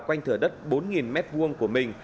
quanh thửa đất bốn m hai của mình